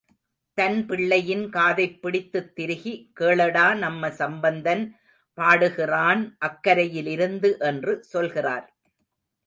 தன் பிள்ளையின் காதைப் பிடித்துத் திருகி, கேளடா நம்ம சம்பந்தன் பாடுகிறான் அக்கரையிலிருந்து என்று சொல்கிறார்.